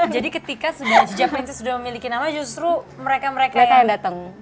jadi ketika hijab prinsip sudah memiliki nama justru mereka mereka yang datang